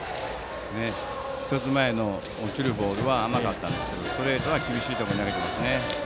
１つ前の落ちるボールは甘かったんですけどストレートは厳しいところに投げてきますね。